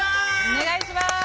お願いします。